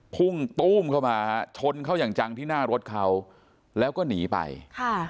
พุ่งตู้มเข้ามาฮะชนเขาอย่างจังที่หน้ารถเขาแล้วก็หนีไปค่ะ